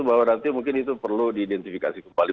bahwa nanti mungkin itu perlu diidentifikasi kembali